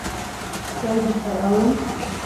چای درته راوړم.